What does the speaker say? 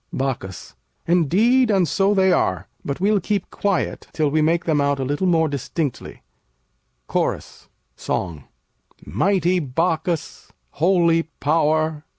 Bacchus Indeed, and so they are; but we'll keep quiet Till we make them out a little more distinctly. CHORUS [song] Mighty Bacchus! Holy Power!